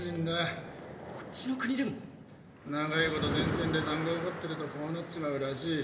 こっちの国でも⁉長いこと前線で塹壕掘ってるとこうなっちまうらしい。